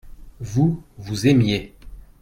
vous, vous aimiez.